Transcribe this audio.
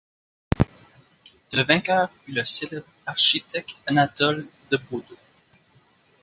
Le vainqueur fut le célèbre architecte Anatole de Baudot.